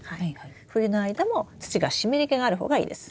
冬の間も土が湿り気がある方がいいです。